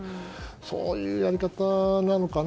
そういうやり方なのかな。